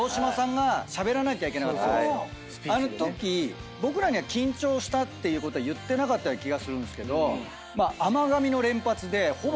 あのとき僕らには緊張したっていうことは言ってなかった気がするんですけど。